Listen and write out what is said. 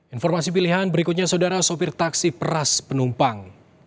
informasi pilihan berikutnya saudara sopir taksi peras penumpang